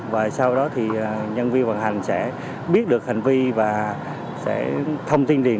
và sau đó thì nhân viên vận hành sẽ biết được hành vi và sẽ thông tin điện